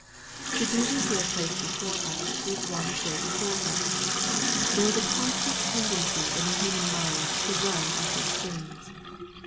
The duty here placed before us is one of great im* portance. There is a constant tendency in the human mind to run into extremes.